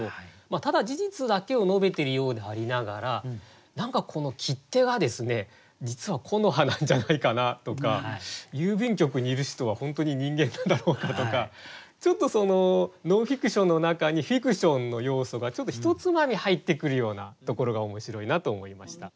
ただ事実だけを述べてるようでありながら何かこの切手が実は木の葉なんじゃないかなとか郵便局にいる人は本当に人間なんだろうかとかちょっとノンフィクションの中にフィクションの要素がひとつまみ入ってくるようなところが面白いなと思いました。